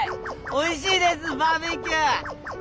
おいしいですバーベキュー！